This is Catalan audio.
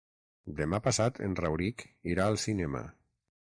Demà passat en Rauric irà al cinema.